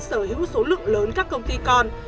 sở hữu số lượng lớn các công ty còn